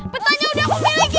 petanya udah aku miliki